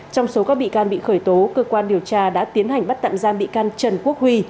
trong số các bị can bị khởi tố cơ quan điều tra đã tiến hành bắt tạm giam bị can trần quốc huy